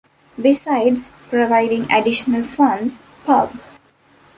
Besides providing additional funds, Pub.